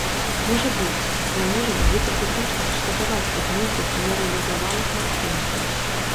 Можа быць, мы можам гіпатэтычна шкадаваць аб нейкіх нерэалізаваных магчымасцях.